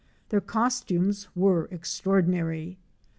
Their cos tumes were extraordinary.